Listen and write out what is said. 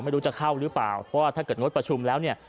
ไม่รู้จะเข้าหรือเปล่าเพราะว่าถ้าเกิดงดประชุมแล้วเนี่ย